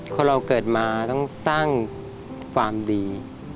คนเราเกิดมาต้องสร้างความดี